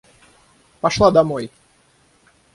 Пошла домой!